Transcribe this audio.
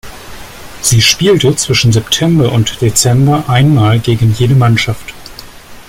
Sie spielte zwischen September und Dezember einmal gegen jede Mannschaft.